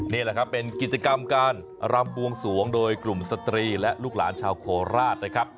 นี่แหละครับเป็นกิจกรรมการรำบวงสวงโดยกลุ่มสตรีและลูกหลานชาวโคราชนะครับ